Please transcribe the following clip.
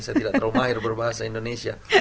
saya tidak terlalu mahir berbahasa indonesia